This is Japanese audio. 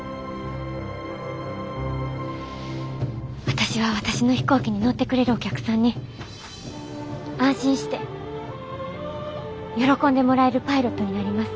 私は私の飛行機に乗ってくれるお客さんに安心して喜んでもらえるパイロットになります。